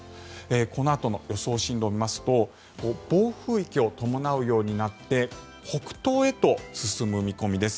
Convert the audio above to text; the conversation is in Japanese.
このあとの予想進路を見ますと暴風域を伴うようになって北東へと進む見込みです。